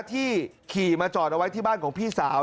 ที่ขี่มาจอดเอาไว้ที่บ้านของพี่สาว